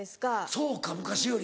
そうか昔より。